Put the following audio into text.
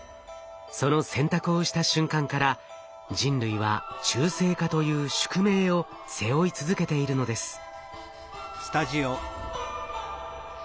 その選択をした瞬間から人類は中性化という宿命を背負い続けているのです。